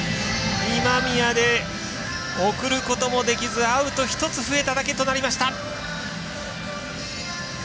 今宮で送ることもできずアウト１つ増えただけとなりました。